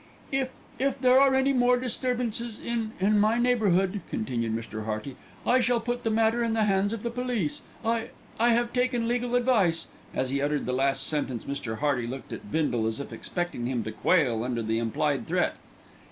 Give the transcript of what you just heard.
"If if there are any more disturbances in in my neighbourhood," continued Mr. Hearty, "I shall put the matter in the hands of the police. I I have taken legal advice." As he uttered the last sentence Mr. Hearty looked at Bindle as if expecting him to quail under the implied threat.